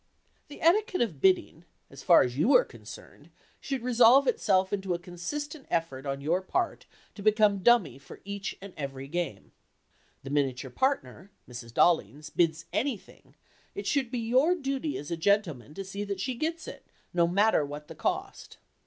The etiquette of "bidding," as far as you are concerned, should resolve itself into a consistent effort on your part to become "dummy" for each and every game. The minute your partner (Mrs. Dollings) bids anything, it should be your duty as a gentleman to see that she gets it, no matter what the cost.